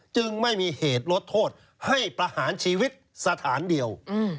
จึงไม่มีเหตุลดโทษให้ประหารชีวิตสถานเดียว